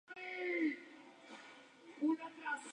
El club pronto dejó de existir.